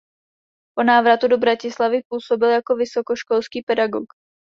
Po návratu do Bratislavy působil jako vysokoškolský pedagog.